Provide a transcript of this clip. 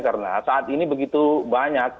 karena saat ini begitu banyak